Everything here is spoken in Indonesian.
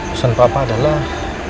usaha papa adalah